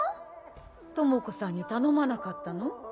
友子さんに頼まなかったの？